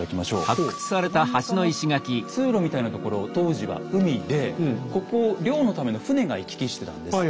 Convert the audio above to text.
真ん中の通路みたいなところ当時は海でここを漁のための船が行き来してたんです。